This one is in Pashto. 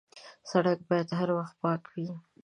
سړک باید هر وخت پاک وي.